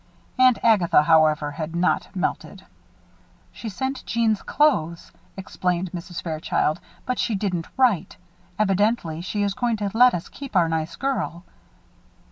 Aunt Agatha, however, had not melted. "She sent Jeanne's clothes," explained Mrs. Fairchild, "but she didn't write. Evidently, she is going to let us keep our nice girl."